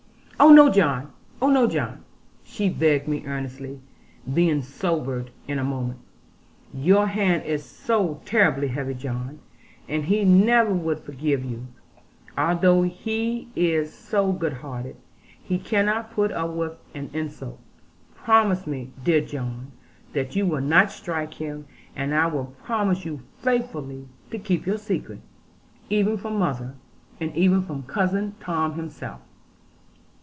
'Oh no, John; oh no, John,' she begged me earnestly, being sobered in a moment. 'Your hand is so terribly heavy, John; and he never would forgive you; although he is so good hearted, he cannot put up with an insult. Promise me, dear John, that you will not strike him; and I will promise you faithfully to keep your secret, even from mother, and even from Cousin Tom himself.'